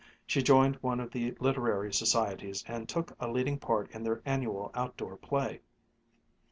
She joined one of the literary societies and took a leading part in their annual outdoor play.